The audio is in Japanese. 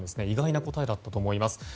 意外な答えだったと思います。